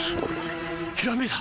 ひらめいた！